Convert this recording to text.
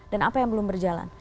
dan apa yang belum berjalan